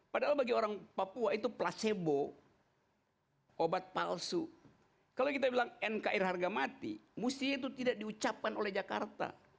padahal bagi orang papua itu placebo obat palsu kalau kita bilang nkr harga mati mustinya itu tidak diucapkan oleh jakarta